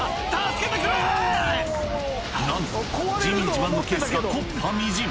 なんとジミー自慢のケースが木っ端みじん